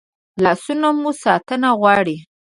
لاسونه مو ساتنه غواړي